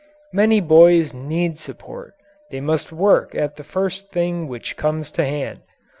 Many boys need support; they must work at the first thing which comes to hand.